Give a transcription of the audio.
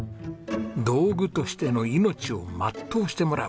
道具としての命を全うしてもらう。